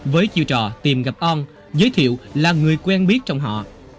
với chiêu trò tìm gặp on giới thiệu là người quen biết trong họ